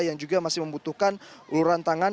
yang juga masih membutuhkan uluran tangan